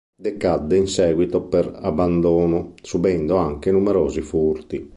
Decadde in seguito per abbandono, subendo anche numerosi furti.